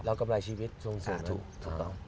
เราก็ปลายชีวิตส่วนสุดนะครับอเจมส์ถูกต้อง